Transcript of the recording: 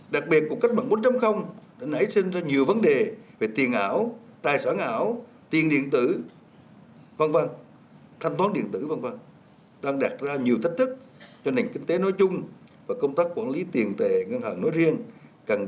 đặc biệt cuộc cách mạng bốn đã nảy sinh ra nhiều vấn đề về tiền ảo tài sản ảo tiền điện tử v v thanh toán điện tử v v đang đạt ra nhiều thách thức cho nền kinh tế nói chung và công tác quản lý tiền tệ ngân hàng nói riêng